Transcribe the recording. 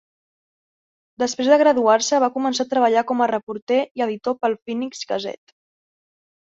Després de graduar-se, va començar a treballar com a reporter i editor per al "Phoenix Gazette".